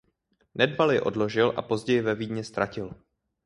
Nedbal je odložil a později ve Vídni ztratil.